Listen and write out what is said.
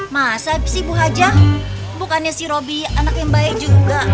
masa sih bu haja bukannya si robi anak yang baik juga